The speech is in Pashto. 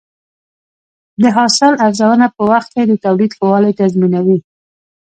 د حاصل ارزونه په وخت کې د تولید ښه والی تضمینوي.